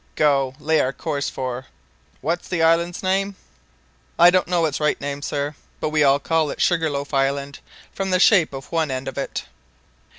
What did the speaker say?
Go, lay our course for what's the island's name?" "I don't know its right name, sir; but we call it Sugar loaf Island from the shape of one end of it."